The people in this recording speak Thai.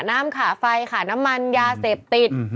น้ำขาไฟขาน้ำมันยาเสพติด